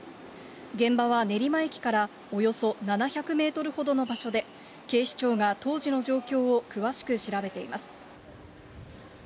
現場は練馬駅からおよそ７００メートルほどの場所で、警視庁が当時の状況を詳しく調べています。